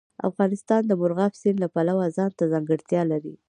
افغانستان د مورغاب سیند له پلوه ځانته ځانګړتیا لري.